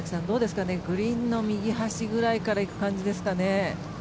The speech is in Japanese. どうですかねグリーンの右端ぐらいからいく感じですかね。